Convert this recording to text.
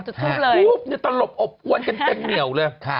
จุดทูบเลยตลบอบกวนกันเต็มเหนียวเลย